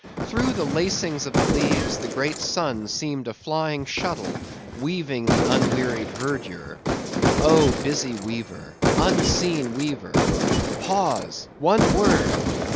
Through the lacings of the leaves, the great sun seemed a flying shuttle weaving the unwearied verdure. Oh, busy weaver! unseen weaver!—pause!—one word!